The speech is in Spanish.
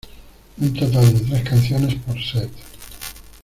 Un total de tres canciones por set.